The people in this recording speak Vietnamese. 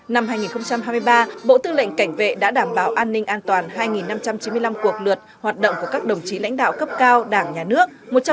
năm hai nghìn hai mươi ba bộ tư lệnh cảnh vệ đã đảm bảo an ninh an toàn hai năm trăm chín mươi năm cuộc lượt hoạt động của các đồng chí lãnh đạo cấp cao đảng nhà nước